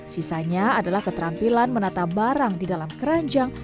sisanya adalah keterampilan menata barang di dalam keranjang